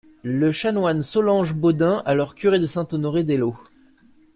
Le Chanoine Soulange-Bodin, alors curé de Saint-Honoré d’Eylau.